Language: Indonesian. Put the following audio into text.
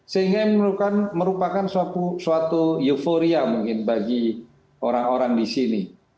sehingga merupakan suatu euforia mungkin bagi orang orang di sini